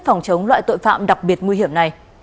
phòng chống loại tội phạm đặc biệt nguy hiểm này